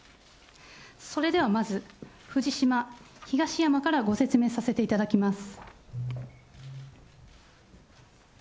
それではまず、藤島、東山からご説明させていただきます。